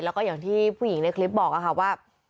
แล้วก็อย่างที่ผู้หญิงในคลิปบอกค่ะว่า